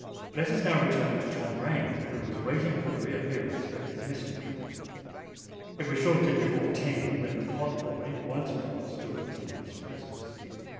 Let us now return to Tom Rain, who was waiting for the reappearance of his messenger. It was shortly before ten when the pot boy once more stood in his presence.